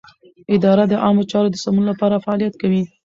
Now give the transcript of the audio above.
اداره د عامه چارو د سمون لپاره فعالیت کوي.